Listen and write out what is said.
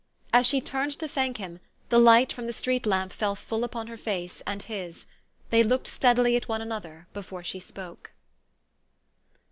As she turned to thank him, the light from the street lamp fell full upon her face and his. They looked steadily at one another before she spoke.